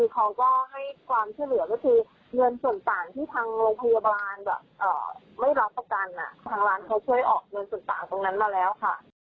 ทางร้านเขาช่วยออกเงินส่วนต่างตรงนั้นมาแล้วค่ะ